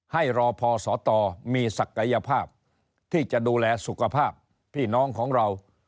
ให้รอพอสตมีศักยภาพที่จะดูแลสุขภาพพี่น้องของเรา